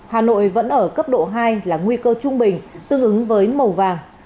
hà nội vẫn ở cấp độ hai là nguy cơ trung bình tương ứng với màu vàng